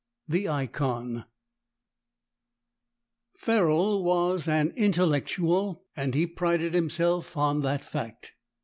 THE IKON Ferroll was an intellectual, and he prided himself on the fact.